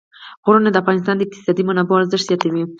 غرونه د افغانستان د اقتصادي منابعو ارزښت زیاتوي.